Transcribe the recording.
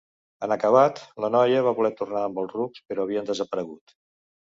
En acabat, la noia va voler tornar amb els rucs però havien desaparegut.